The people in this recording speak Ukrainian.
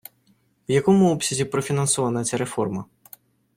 В якому обсязі профінансована ця реформа?